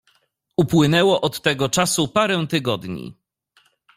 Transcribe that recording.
"Upłynęło od tego czasu parę tygodni."